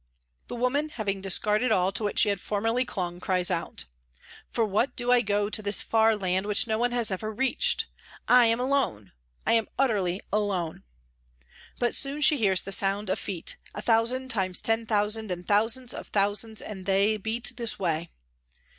The woman having discarded all 158 PRISONS AND PRISONERS to which she had formerly clung cries out :' For what do I go to this far land which no one has ever reached ? I am alone ! I am utterly alone !' But soon she hears the sound of feet, ' a thousand times ten thousand and thousands of thousands and they beat this way.'